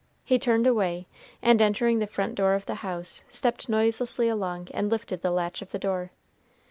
He turned away, and entering the front door of the house, stepped noiselessly along and lifted the latch of the door.